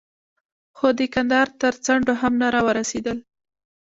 خو د کندهار تر څنډو هم نه را ورسېدل.